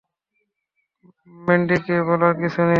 ম্যান্ডিকে বলার কিছু নেই।